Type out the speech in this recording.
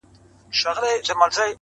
• نور مي له سترگو څه خوبونه مړه سول؛